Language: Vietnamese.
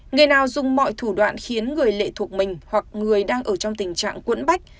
người nào dùng mọi thủ đoạn khiến người lệ thuộc mình hoặc người đang ở trong tình trạng quẫn bách